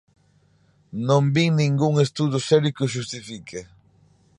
Non vin ningún estudo serio que o xustifique.